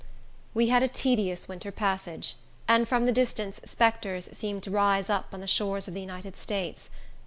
We had a tedious winter passage, and from the distance spectres seemed to rise up on the shores of the United States.